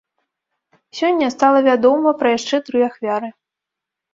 Сёння стала вядома пра яшчэ тры ахвяры.